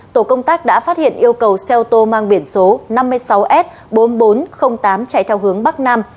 tổ công tác đã phát hiện yêu cầu xe ô tô mang biển số năm mươi sáu s bốn nghìn bốn trăm linh tám chạy theo hướng bắc nam